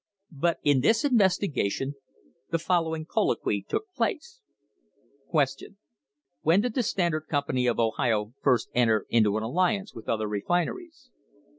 * But in this investigation the following colloquy took place : Q. When did the Standard Company of Ohio first enter into an alliance with other refineries